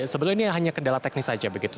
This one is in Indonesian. sebetulnya ini hanya kendala teknis saja begitu